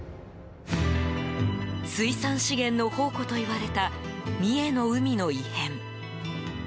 水産資源の宝庫といわれた三重の海の異変。